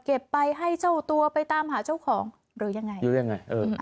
ไปให้เจ้าตัวไปตามหาเจ้าของหรือยังไงหรือยังไงเออ